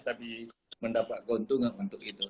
tapi mendapat keuntungan untuk itu